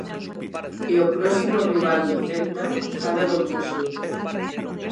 E o próximo rival do Celta fala doutro xeito.